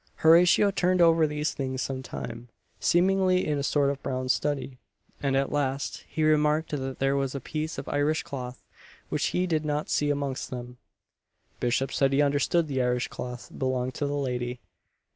Horatio turned over these things some time, seemingly in a sort of brown study; and at last, he remarked that there was a piece of Irish cloth which he did not see amongst them. Bishop said he understood the Irish cloth belonged to the lady.